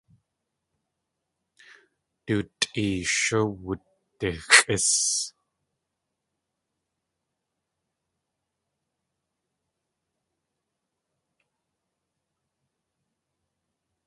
Du tʼeeyshú wudixʼís.